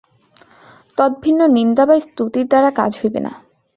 তদ্ভিন্ন নিন্দা বা স্তুতির দ্বারা কাজ হইবে না।